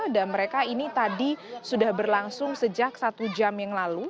dan mereka ini tadi sudah berlangsung sejak satu jam yang lalu